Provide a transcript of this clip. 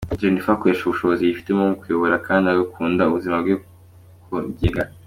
Jennifer akoresha ubushobozi yifitemo mu kuyobora kandi agakunda ubuzima bwo kwigenga.